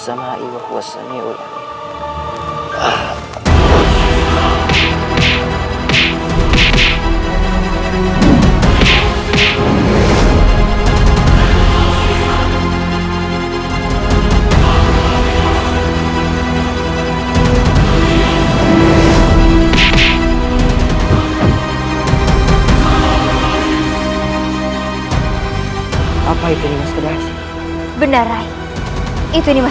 yang takwa kau mau seperti ini